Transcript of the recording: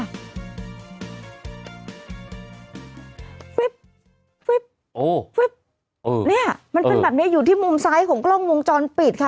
เนี่ยฟึ๊บเนี่ยมันเป็นแบบนี้อยู่ที่มุมซ้ายของกล้องวงจรปิดค่ะ